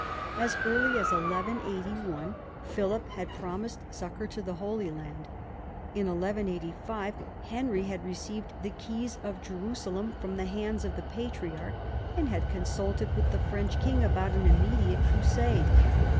As early as 1181 Philip had promised succour to the Holy Land. In 1185 Henry had received the keys of Jerusalem from the hands of the patriarch, and had consulted with the French king about an immediate crusade.